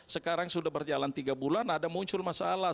sekarang sudah berjalan tiga bulan ada muncul masalah